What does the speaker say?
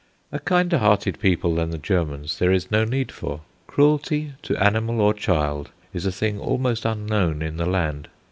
A kinder hearted people than the Germans there is no need for. Cruelty to animal or child is a thing almost unknown in the land.